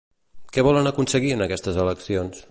Què volen aconseguir en aquestes eleccions?